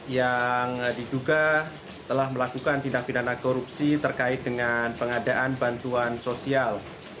yang diduga telah melakukan tindak pidana korupsi terkait dengan pengadaan bantuan sosial